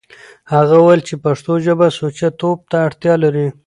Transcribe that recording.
هغه وويل چې پښتو ژبه سوچه توب ته اړتيا لري.